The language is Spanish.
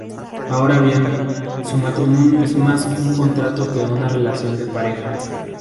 Ahora bien, su matrimonio es más un contrato que una relación de pareja.